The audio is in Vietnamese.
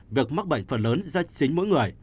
việc mắc bệnh phần lớn ra chính mỗi người